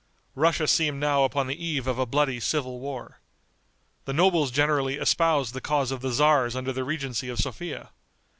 Russia seemed now upon the eve of a bloody civil war. The nobles generally espoused the cause of the tzars under the regency of Sophia.